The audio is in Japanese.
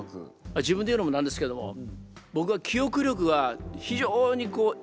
自分で言うのもなんですけども僕は記憶力が非常にいいんですよ。